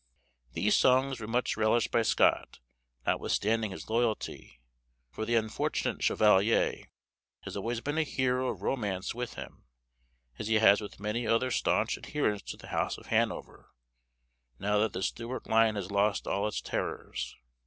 These songs were much relished by Scott, notwithstanding his loyalty; for the unfortunate "Chevalier" has always been a hero of romance with him, as he has with many other staunch adherents to the House of Hanover, now that the Stuart line has lost all its terrors.